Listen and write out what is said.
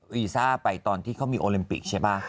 วีซอไปตอนที่เขามีอวเรมปิซใช่ป่า